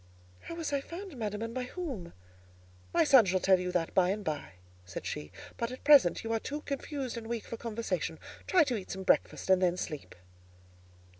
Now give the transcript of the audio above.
"How was I found, madam, and by whom?" "My son shall tell you that by and by," said she; "but at present you are too confused and weak for conversation: try to eat some breakfast, and then sleep."